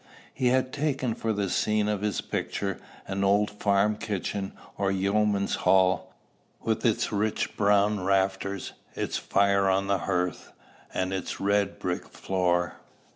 He had taken for the scene of his picture an old farm kitchen, or yeoman's hall, with its rich brown rafters, its fire on the hearth, and its red brick floor.